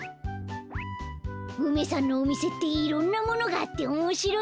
梅さんのおみせっていろんなものがあっておもしろいね。